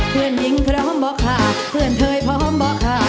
เพื่อนหญิงพร้อมบอกค่ะเพื่อนเคยพร้อมบอกค่ะ